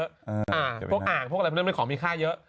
อ่างพวกอ่างพวกเลยมันมีของมีค่าเยอะ